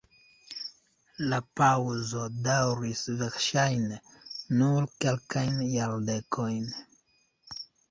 La paŭzo daŭris verŝajne nur kelkajn jardekojn.